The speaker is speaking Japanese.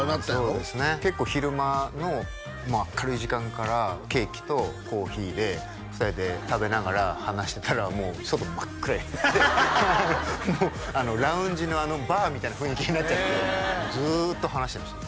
そうですね結構昼間の明るい時間からケーキとコーヒーで２人で食べながら話してたらもう外真っ暗になってもうラウンジのバーみたいな雰囲気になっちゃってずっと話してましたね